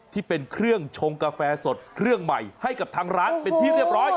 ที่เป็นเครื่องชงกาแฟสดเครื่องใหม่ให้กับทางร้านเป็นที่เรียบร้อย